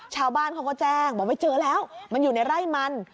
ชาวบ้านเขาก็แจ้งบอกไม่เจอแล้วมันอยู่ในไร่มัน